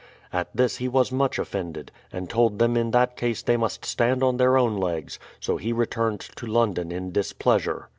At this he was much offended, and told them in that case they must stand on their own legs ; so he returned to London in displeasure.